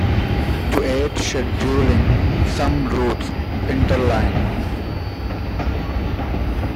To aid scheduling, some routes "interline".